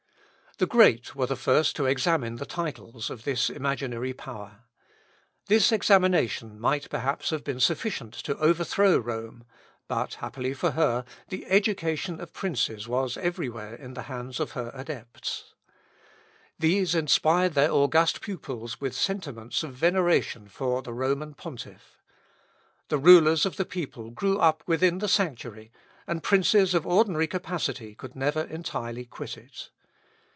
The great were the first to examine the titles of this imaginary power. This examination might, perhaps, have been sufficient to overthrow Rome; but, happily for her, the education of princes was everywhere in the hands of her adepts. These inspired their august pupils with sentiments of veneration for the Roman pontiff. The rulers of the people grew up within the sanctuary, and princes of ordinary capacity could never entirely quit it.